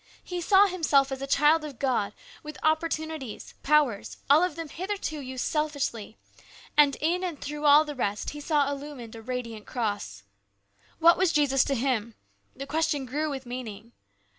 He saw himself as a child of God, with opportunities, powers, all of them hitherto used selfishly, and in and through all the rest he saw illumined a radiant cross. "What was Jesus to him ?" The question grew with meaning.